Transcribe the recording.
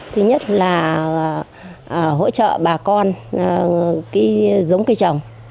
thứ nhất là hỗ trợ bà con cái giống cây trồng